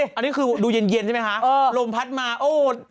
อันนี้คือดูเย็นใช่ไหมคะลมพัดมาโอ้